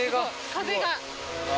風が。